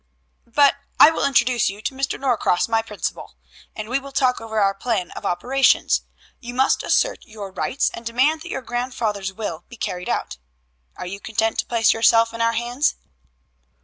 "But I will introduce you to Mr. Norcross, my principal, and we will talk over our plan of operations. You must assert your rights, and demand that your grandfather's will be carried out. Are you content to place yourself in our hands?"